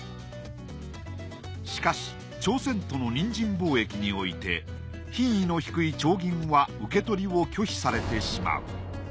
しかし朝鮮との人参貿易において品位の低い丁銀は受け取りを拒否されてしまう。